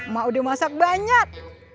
mak udah masak banyak